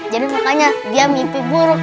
jadi makanya dia mimpi buruk